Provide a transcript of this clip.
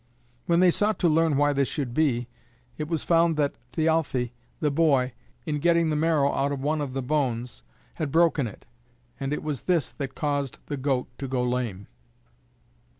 When they sought to learn why this should be, it was found that Thialfe, the boy, in getting the marrow out of one of the bones, had broken it, and it was this that caused the goat to go lame.